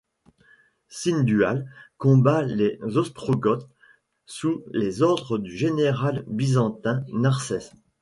Sinduald combat les Ostrogoths sous les ordres du général byzantin Narsès.